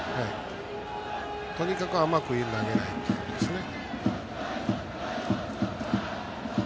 とにかく甘く投げないということですね。